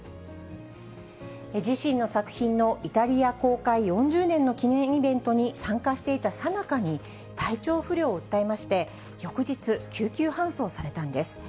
自身の作品のイタリア公開４０年の記念イベントに参加していたさなかに、体調不良を訴えまして、翌日、救急搬送されたんです。